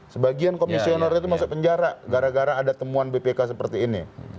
sebagian komisioner itu masuk penjara gara gara ada temuan bpk seperti ini